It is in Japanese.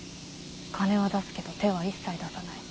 金は出すけど手は一切出さない。